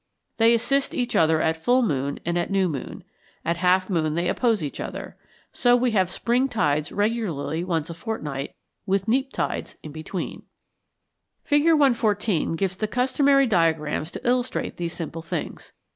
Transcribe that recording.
They assist each other at full moon and at new moon. At half moon they oppose each other. So we have spring tides regularly once a fortnight, with neap tides in between. [Illustration: FIG. 114. Spring and neap tides.] Fig. 114 gives the customary diagrams to illustrate these simple things.